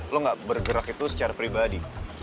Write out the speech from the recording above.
lo gak bergerak itu secara pribadi